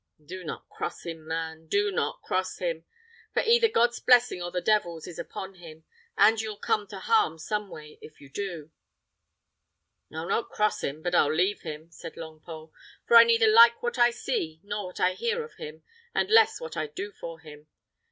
Do not cross him, man! do not cross him! for either God's blessing or the devil's is upon him, and you'll come to harm some way if you do!" "I'll not cross him, but I'll leave him," said Longpole; "for I like neither what I see nor what I hear of him, and less what I do for him.